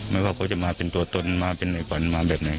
ไม่ว่าเขาจะมาเป็นตัวตนมาเป็นในฝันมาแบบไหน